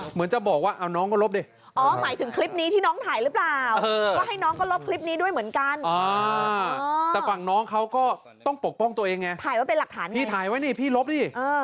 เหมือนจะบอกว่าเอาน้องก็ลบดิ